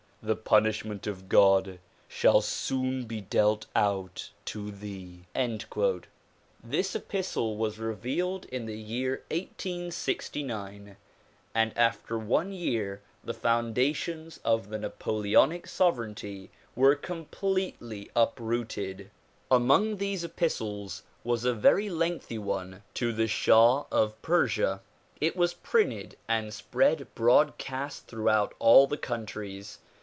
The punishment of God shall soon be dealt out to thee." This epistle was revealed in the year 1869 and after one year the foundations of the Napoleonic sovereignty were completely up rooted. Among these epistles was a very lengthy one to the shah of Persia. It was printed and spread broadcast throughout all the countries.